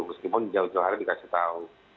meskipun jauh jauh hari dikasih tahu